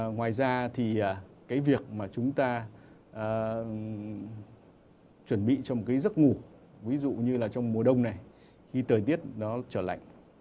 ngoài ra thì cái việc mà chúng ta chuẩn bị cho một cái giấc ngủ ví dụ như là trong mùa đông này khi thời tiết nó trở lạnh